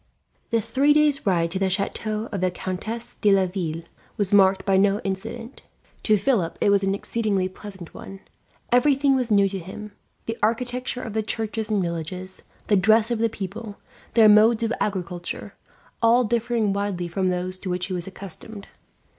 The three days' ride to the chateau of the Countess de Laville was marked by no incident. To Philip it was an exceedingly pleasant one. Everything was new to him; the architecture of the churches and villages, the dress of the people, their modes of agriculture, all differing widely from those to which he was accustomed.